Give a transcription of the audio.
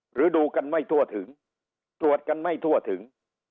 หรือดูกันไม่ทั่วถึงตรวจกันไม่ทั่วถึง